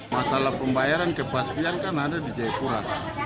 masalah pembayaran kebastian kan ada di jaya pura